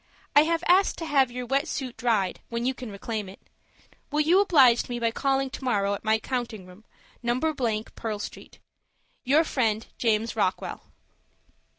I have asked to have your wet suit dried, when you can reclaim it. Will you oblige me by calling to morrow at my counting room, No. —, Pearl Street. "Your friend, "JAMES ROCKWELL."